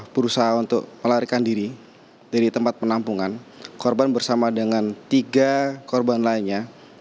berusaha untuk melarikan diri dari tempat penampungan korban bersama dengan tiga korban lainnya